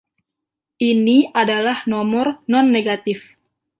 Ini adalah nomor non-negatif.